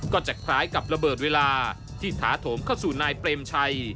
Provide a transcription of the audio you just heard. ก็จะคล้ายกับระเบิดเวลาที่ถาโถมเข้าสู่นายเปรมชัย